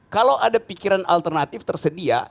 kalau ada pikiran alternatif tersedia